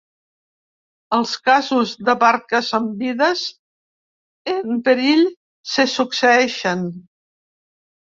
Els casos de barques amb vides en perill se succeeixen.